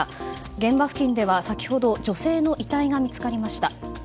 現場付近では先ほど女性の遺体が見つかりました。